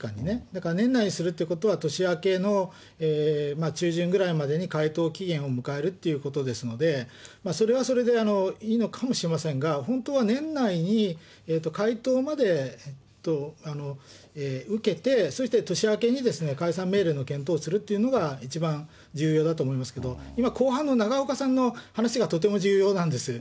だから年内にするっていうことは、年明けの中旬ぐらいまでに回答期限を迎えるっていうことですので、それはそれでいいのかもしれませんが、本当は年内に回答まで受けて、そして年明けに解散命令の検討をするというのが、一番重要だと思いますけど、今、後半の永岡さんの話がとても重要なんです。